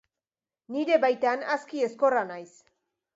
Nire baitan aski ezkorra naiz.